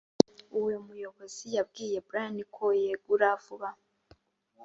uwo muyobozi yabwiye brian ko yegura vuba